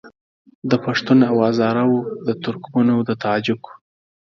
د پښتون او هزاره وو د ترکمنو د تاجکو